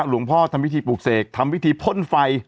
หลุงพ่อทำวิธีปลูกเสกทำวิธีพลไฟ